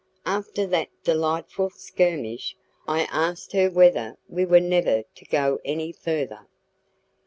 After that delightful skirmish, I asked her whether we were never to go any further.